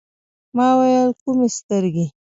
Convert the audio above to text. ما ویل: کومي سترګي ؟